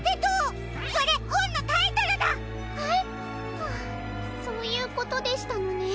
はあそういうことでしたのね。